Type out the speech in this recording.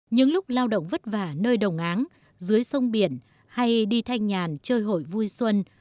những lúc lao động vất vả nơi đồng áng dưới sông biển hay đi thanh nhàn chơi hội vui xuân